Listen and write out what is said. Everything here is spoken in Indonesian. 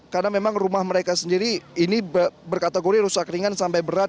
karena memang rumah mereka sendiri ini berkategori rusak ringan sampai berat